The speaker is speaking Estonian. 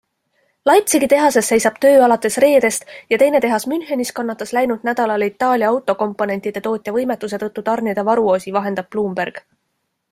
Leipzigi tehases seisab töö alates reedest ja teine tehas Münchenis kannatas läinud nädalal Itaalia autokomponentide tootja võimetuse tõttu tarnida varuosi, vahendab Bloomberg.